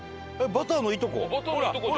バターのいとこじゃん。